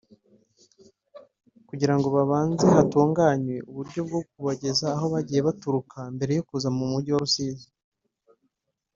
kugirango babanze hatunganywe uburyo bwo kubageza aho bagiye baturuka mbere yo kuza mu Mujyi wa Rusizi